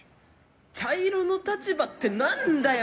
茶色の立場って何だよ！